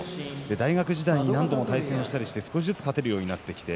大学時代に何度も対戦して少しずつ勝てるようになってきた。